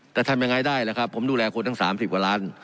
แต่ทำยังไงได้ล่ะครับผมดูแลคนทั้ง๓๐กว่าล้าน